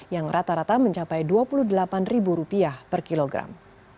yang rata rata mencapai rp dua puluh delapan per kilogram